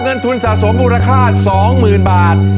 เงินทุนสะสมมูลค่า๒๐๐๐บาท